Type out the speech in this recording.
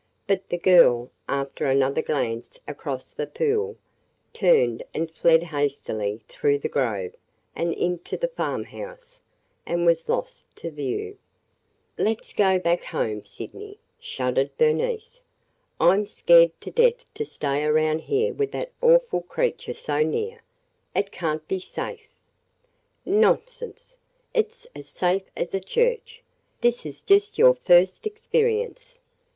But the girl, after another glance across the pool, turned and fled hastily through the grove and into the farm house and was lost to view. "Let 's go back home, Sydney!" shuddered Bernice. "I 'm scared to death to stay around here with that awful creature so near. It can't be safe!" "Nonsense! It 's as safe as a church! This is just your first experience.